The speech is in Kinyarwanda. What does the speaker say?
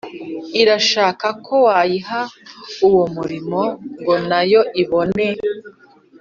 Irashaka ko wayiha’uwo muriro ngo nayo ibone